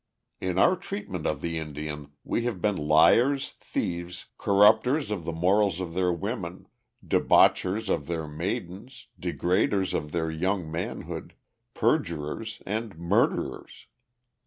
In our treatment of the Indian we have been liars, thieves, corrupters of the morals of their women, debauchers of their maidens, degraders of their young manhood, perjurers, and murderers.